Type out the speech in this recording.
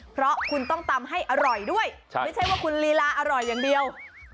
เพราะคุณต้องตำให้อร่อยด้วยไม่ใช่ว่าคุณลีลาอร่อยอย่างเดียว